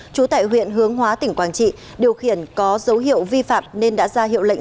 trú tại huyện hướng hóa tỉnh quảng trị điều khiển có dấu hiệu vi phạm nên đã ra hiệu lệnh